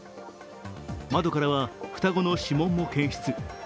窓からは双子の指紋も検出。